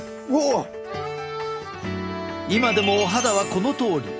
今でもお肌はこのとおり。